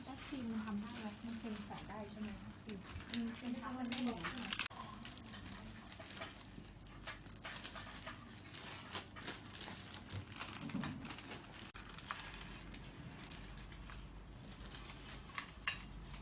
สวัสดีครับทุกคน